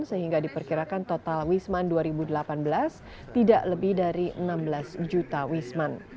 sehingga diperkirakan total wisman dua ribu delapan belas tidak lebih dari enam belas juta wisman